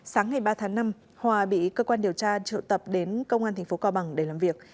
sáng ngày ba tháng năm hòa bị cơ quan điều tra triệu tập đến công an tp cao bằng để làm việc